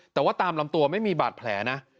แต่ว่าตามลำตัวไม่มีบาดแผลนะ